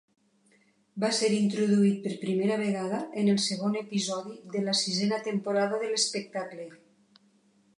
Va ser introduït per primera vegada en el segon episodi de la sisena temporada de l'espectacle.